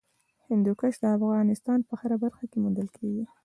هندوکش د افغانستان په هره برخه کې موندل کېږي.